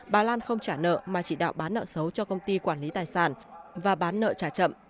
bà lan không trả nợ mà chỉ đạo bán nợ xấu cho công ty quản lý tài sản và bán nợ trả chậm